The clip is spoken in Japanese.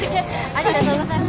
ありがとうございます。